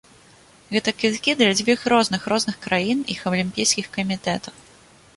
Гэта квіткі для дзвюх розных розных краін, іх алімпійскіх камітэтаў.